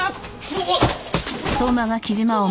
うわっ！